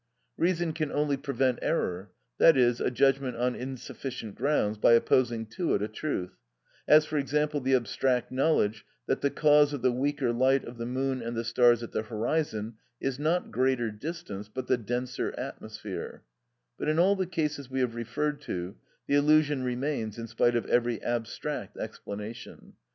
Reason can only prevent error, that is, a judgment on insufficient grounds, by opposing to it a truth; as for example, the abstract knowledge that the cause of the weaker light of the moon and the stars at the horizon is not greater distance, but the denser atmosphere; but in all the cases we have referred to, the illusion remains in spite of every abstract explanation.